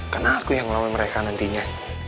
karena aku yang ngelawan mereka nantinya